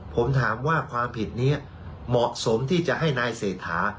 ผมถามว่าความผิดนี้เหมาะสมที่จะให้นายเศรษฐา